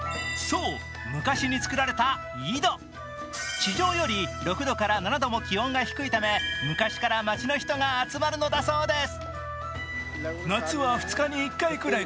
地上より６度から７度も気温が低いため昔から街の人が集まるのだそうです。